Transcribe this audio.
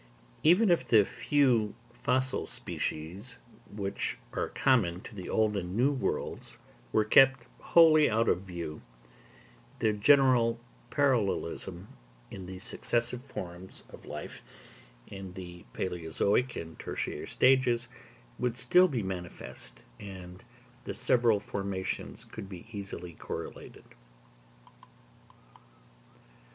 Even if the few fossil species which are common to the Old and New Worlds were kept wholly out of view, the general parallelism in the successive forms of life, in the palæozoic and tertiary stages, would still be manifest, and the several formations could be easily correlated.